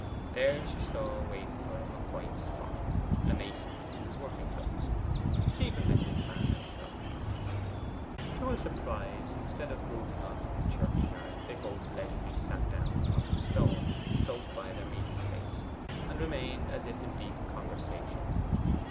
There she saw waiting for him a white spot a mason in his working clothes. Stephen met this man and stopped. To her surprise, instead of their moving on to the churchyard, they both leisurely sat down upon a stone close by their meeting place, and remained as if in deep conversation.